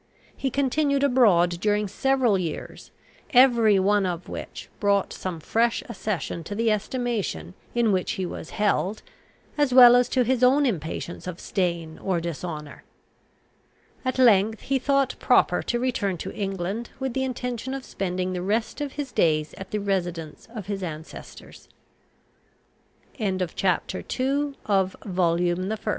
He continued abroad during several years, every one of which brought some fresh accession to the estimation in which he was held, as well as to his own impatience of stain or dishonour. At length he thought proper to return to England, with the intention of spending the rest of his days at the residence of his ancestors. CHAPTER III. From the moment he entered